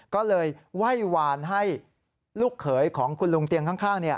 ก็เลยไหว้วานให้ลูกเขยของคุณลุงเตียงข้าง